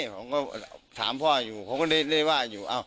ผมก็ถามพ่ออยู่ผมก็เลยว่าอยู่